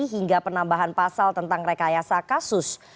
hingga penambahan pasal tentang rekayasa kasus